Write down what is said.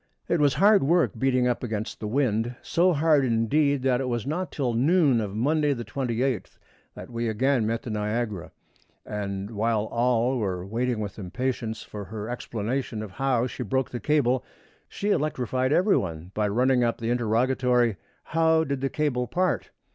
It was hard work beating up against the wind; so hard, indeed, that it was not till the noon of Monday, the 28th, that we again met the Niagara; and while all were waiting with impatience for her explanation of how she broke the cable, she electrified every one by running up the interrogatory, "How did the cable part?"